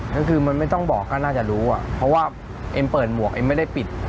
ก็คือมันไม่ต้องบอกก็น่าจะรู้อ่ะเพราะว่าเอ็มเปิดหมวกเอ็มไม่ได้ปิด